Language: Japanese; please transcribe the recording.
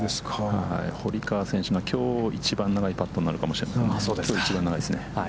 堀川選手のきょう一番長いパットになるかもしれません。